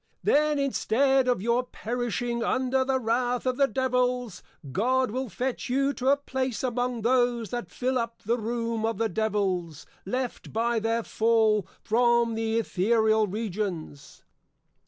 _ Then instead of your Perishing under the wrath of the Devils, God will fetch you to a place among those that fill up the Room of the Devils, left by their Fall from the Ethereal Regions.